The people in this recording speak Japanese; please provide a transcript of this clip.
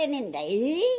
ええ？